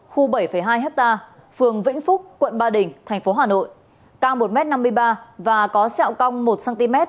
khu bảy hai hectare phường vĩnh phúc quận ba đỉnh tp hà nội ca một năm mươi ba m và có xeo cong một cm